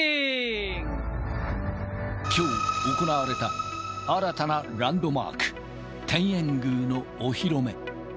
きょう行われた、新たなランドマーク、天苑宮のお披露目。